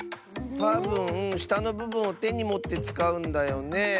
たぶんしたのぶぶんをてにもってつかうんだよね？